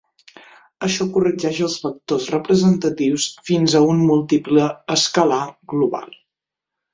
Això corregeix els vectors representatius fins a un múltiple escalar global.